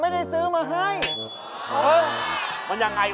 ดูท่าทางนี่